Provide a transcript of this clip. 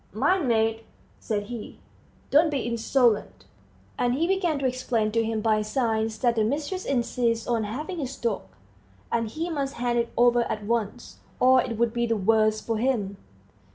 "Mind, mate," said he, "don't be insolent." And he began to explain to him by signs that the mistress insists on having his dog; that he must hand it over at once, or it would be the worse for him.